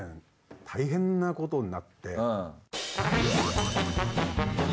大変なことになって。